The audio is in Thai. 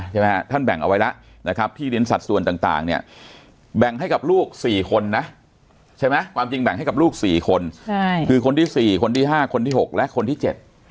ท่านแบ่งเอาไว้แล้วนะครับที่ดินสัดส่วนต่างเนี่ยแบ่งให้กับลูก๔คนนะใช่ไหมความจริงแบ่งให้กับลูก๔คนคือคนที่๔คนที่๕คนที่๖และคนที่๗